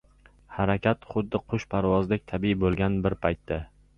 Harakat xuddi qush parvozidek tabiiy bo‘lgan bir paytda